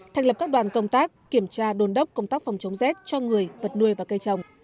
thành lập các đoàn công tác kiểm tra đồn đốc công tác phòng chống rét cho người vật nuôi và cây trồng